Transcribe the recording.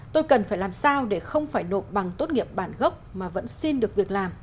tôi cần phải làm sao để không phải nộp bằng tốt nghiệp bản gốc mà vẫn xin được việc làm